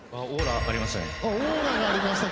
オーラがありましたか。